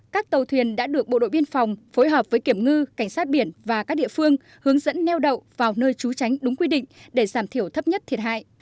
các tàu thuyền đã được bộ đội biên phòng phối hợp với kiểm ngư cảnh sát biển và các địa phương hướng dẫn neo đậu vào nơi trú tránh đúng quy định để giảm thiểu thấp nhất thiệt hại